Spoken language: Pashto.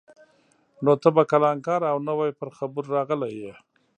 نو ته به کلنکار او نوی پر خبرو راغلی یې.